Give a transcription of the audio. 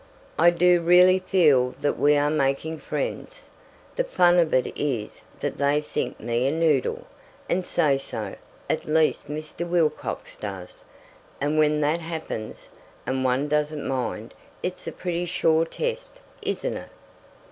I do really feel that we are making friends. The fun of it is that they think me a noodle, and say so at least Mr. Wilcox does and when that happens, and one doesn't mind, it's a pretty sure test, isn't it?